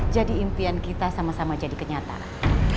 jadi impian kita sama sama jadi kenyataan